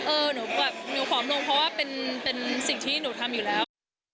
หนูแบบหนูผอมลงเพราะว่าเป็นสิ่งที่หนูทำอยู่แล้ว